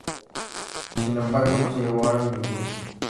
Sin embargo, no se llevaron ninguno.